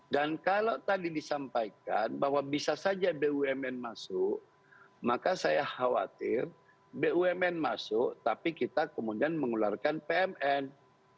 dan kalau tadi disampaikan bahwa bisa saja bumn masuk maka saya khawatir bumn masuk tapi kita kemudian mengularkan pnm